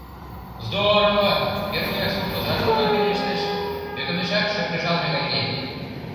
— Здорово! — первояк суртоза чолган пелештыш, ӧкымешак шыргыжалме гай лие.